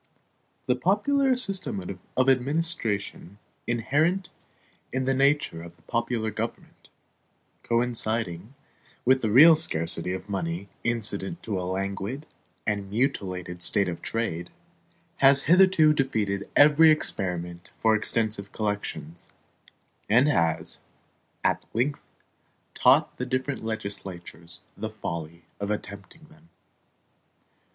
The popular system of administration inherent in the nature of popular government, coinciding with the real scarcity of money incident to a languid and mutilated state of trade, has hitherto defeated every experiment for extensive collections, and has at length taught the different legislatures the folly of attempting them.